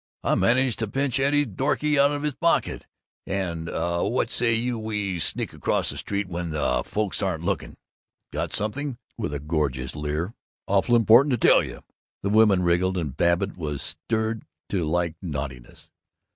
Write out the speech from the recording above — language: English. I managed to pinch Eddie's doorkey out of his pocket, and what say you and me sneak across the street when the folks aren't looking? Got something," with a gorgeous leer, "awful important to tell you!" The women wriggled, and Babbitt was stirred to like naughtiness.